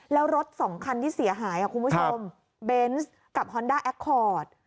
แล้วรถสองคันที่เสียหายคุณผู้ชมเบนส์กับฮอนด้าแอคคอร์ด